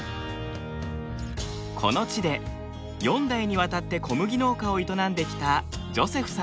この地で４代にわたって小麦農家を営んできた